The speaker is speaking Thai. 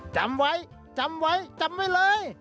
จำไว้จำไว้จำไว้เลย